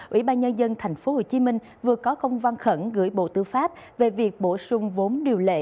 ủy ban nhân dân tp hcm vừa có công văn khẩn gửi bộ tư pháp về việc bổ sung vốn điều lệ